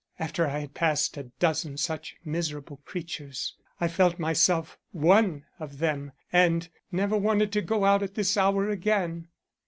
After I had passed a dozen such miserable creatures, I felt myself one of them and never wanted to go out at this hour again.